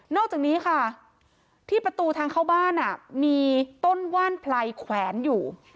อกจากนี้ค่ะที่ประตูทางเข้าบ้านมีต้นว่านไพรแขวนอยู่